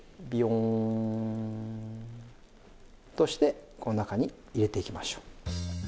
ビヨンとしてこの中に入れていきましょう。